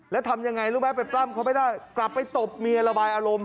แล้วทำยังไงรู้ไหมไปปล้ำเขาไม่ได้กลับไปตบเมียระบายอารมณ์